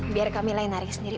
biar kami lain narik sendiri